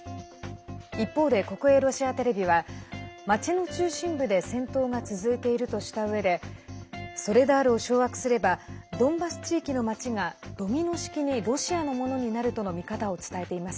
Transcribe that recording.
一方で、国営ロシアテレビは町の中心部で戦闘が続いているとしたうえでソレダールを掌握すればドンバス地域の町が、ドミノ式にロシアのものになるとの見方を伝えています。